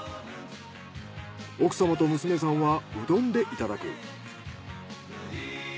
奥様と娘さんはうどんでいただく。